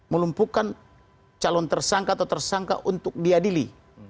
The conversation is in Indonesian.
melumpuhkan calon tersangka atau tersangka untuk diadili